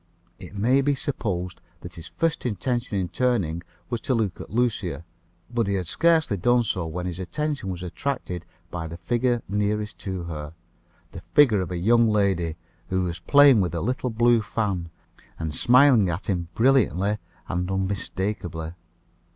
It may be supposed that his first intention in turning was to look at Lucia; but he had scarcely done so, when his attention was attracted by the figure nearest to her, the figure of a young lady, who was playing with a little blue fan, and smiling at him brilliantly and unmistakably.